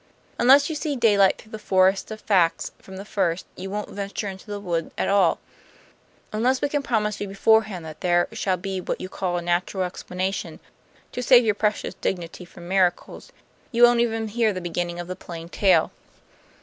Unless you see daylight through the forest of facts from the first, you won't venture into the wood at all. Unless we can promise you beforehand that there shall be what you call a natural explanation, to save your precious dignity from miracles, you won't even hear the beginning of the plain tale.